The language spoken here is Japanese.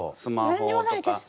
何にもないです。